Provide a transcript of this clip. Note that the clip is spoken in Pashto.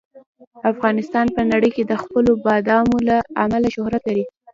افغانستان په نړۍ کې د خپلو بادامو له امله شهرت لري.